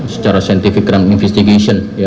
secara saintifik dan investigasi